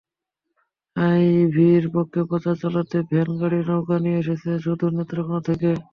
আইভীর পক্ষে প্রচার চালাতে ভ্যানগাড়ির নৌকা নিয়ে এসেছেন সুদূর নেত্রকোনা থেকে।